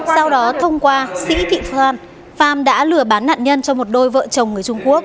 sau đó thông qua sĩ thị phon phan đã lừa bán nạn nhân cho một đôi vợ chồng người trung quốc